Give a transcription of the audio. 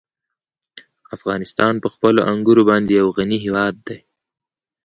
افغانستان په خپلو انګورو باندې یو غني هېواد دی.